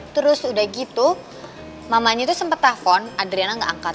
terus udah gitu mamanya tuh sempet telepon adriana gak angkat